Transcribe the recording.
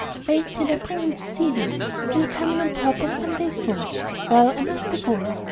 "Wait till I bring him to see you. We'll come in on purpose some day soon. Well, I must be going.